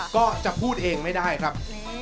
ก็จะพูดเองไม่ได้ครับ